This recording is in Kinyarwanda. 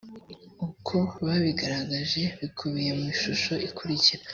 uko babigaragaje bikubiye mu ishusho ikurikira